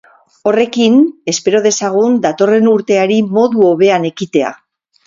Horrekin, espero dezagun datorren urteari modu hobean ekitea.